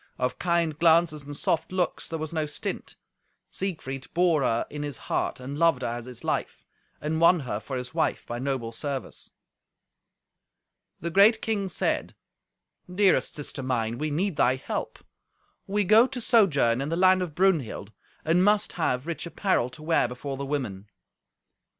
Of kind glances and soft looks there was no stint. Siegfried bore her in his heart, and loved her as his life, and won her for his wife by noble service. The great king said, "Dearest sister mine, we need thy help. We go to sojourn in the land of Brunhild, and must have rich apparel to wear before the women."